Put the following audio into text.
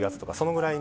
ぐらい